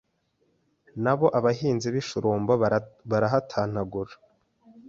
Na bo abahinzi b'i Shurumbo barahatantagura